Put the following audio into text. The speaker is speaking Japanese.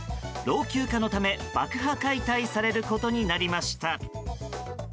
老朽化のため爆破解体されることになりました。